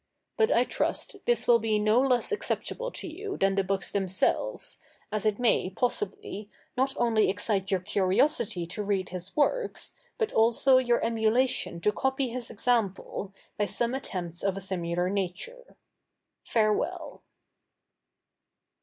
But I trust this will be no less acceptable to you than the books themselves, as it may, possibly, not only excite your curiosity to read his works, but also your emulation to copy his example, by some attempts of a similar nature. Farewell."